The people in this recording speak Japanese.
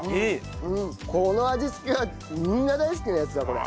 この味付けはみんな大好きなやつだこれ。